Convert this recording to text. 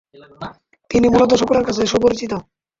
তিনি মূলত সকলের কাছে সুপরিচিত।